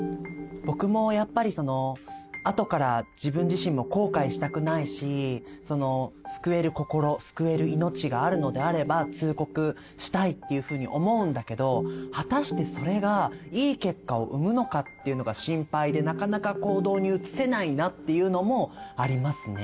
僕もやっぱりそのあとから自分自身も後悔したくないし救える心救える命があるのであれば通告したいっていうふうに思うんだけど果たしてそれがいい結果を生むのかっていうのが心配でなかなか行動に移せないなっていうのもありますね。